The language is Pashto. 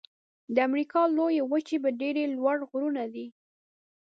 د امریکا لویې وچې ډېر لوړ غرونه دي.